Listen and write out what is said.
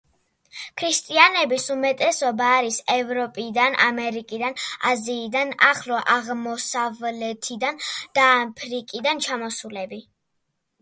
ქრისტიანების უმეტესობა არის ევროპიდან, ამერიკიდან, აზიიდან, ახლო აღმოსავლეთიდან და აფრიკიდან ჩამოსულები.